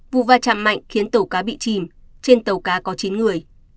vụ va chạm mạnh khiến tàu cá bị chìm trên tàu cá có chín người